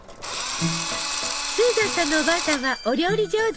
スーザンさんのおばあさんはお料理上手！